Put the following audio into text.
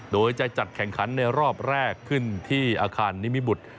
โดยจะจัดแข่งขันในรอบแรกขึ้นที่อาคารนิมิบุตร